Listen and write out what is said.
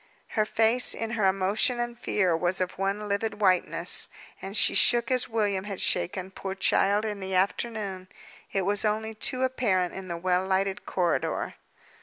Her face, in her emotion and fear, was of one livid whiteness, and she shook as William had shaken, poor child, in the afternoon. It was only too apparent in the well lighted corridor.